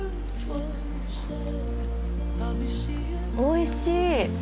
おいしい！